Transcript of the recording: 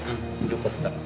よかったら。